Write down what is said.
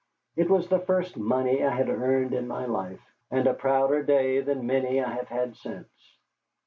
It was the first money I had earned in my life, and a prouder day than many I have had since.